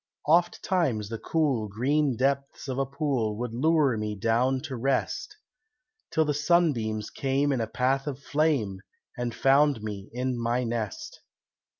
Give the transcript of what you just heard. Oftimes the cool, green depths of a pool Would lure me down to rest, Till the sunbeams came in a path of flame And found me in my nest.